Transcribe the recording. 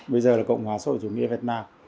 bây giờ là cộng hòa xã hội chủ nghĩa việt nam